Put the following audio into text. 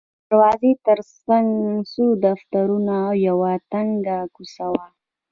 د دروازې ترڅنګ څو دفترونه او یوه تنګه کوڅه وه.